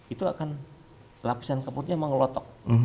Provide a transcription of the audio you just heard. itu akan lapisan kapurnya mengelotok